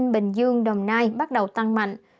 bình dương đồng nai bắt đầu tăng mạnh